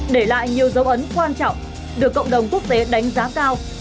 để lại nhiều dấu ấn quan trọng được cộng đồng quốc tế đánh giá cao